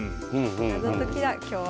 謎解きだ今日は。